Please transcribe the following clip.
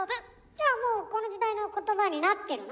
じゃあもうこの時代の言葉になってるの？